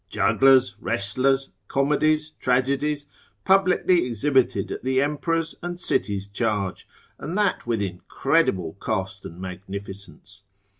Jugglers, wrestlers, comedies, tragedies, publicly exhibited at the emperor's and city's charge, and that with incredible cost and magnificence.